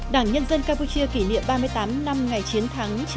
đảng nhân dân campuchia kỷ niệm ba mươi tám năm ngày chiến thắng